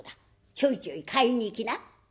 ちょいちょい買いに行きな。